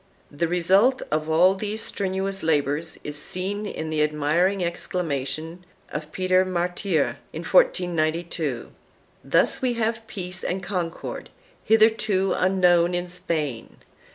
The result of all these strenuous labors is seen in the admiring exclamation of Peter Martyr, in 1492, "Thus we have peace and concord, hitherto unknown in Spain.